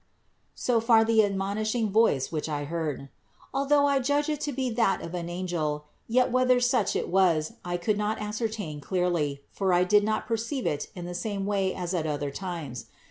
23. So far the admonishing voice, which I heard. Al though I judged it to be that of an angel, yet whether such it was, I could not ascertain clearly, for I did not perceive it in the same way as at other times.